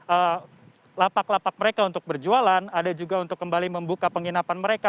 ada lapak lapak mereka untuk berjualan ada juga untuk kembali membuka penginapan mereka